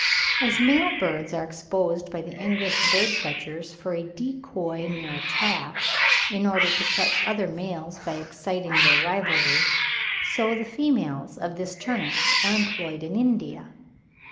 As male birds are exposed by the English bird catchers for a decoy near a trap, in order to catch other males by exciting their rivalry, so the females of this Turnix are employed in India.